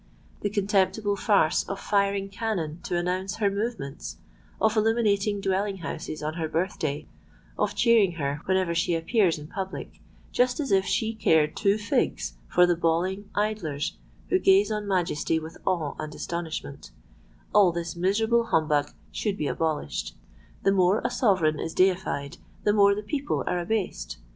The contemptible farce of firing cannon to announce her movements—of illuminating dwelling houses on her birth day—of cheering her whenever she appears in public, just as if she cared two figs for the bawling idlers who gaze on Majesty with awe and astonishment,—all this miserable humbug should be abolished. _The more a Sovereign is deified, the more the people are abased.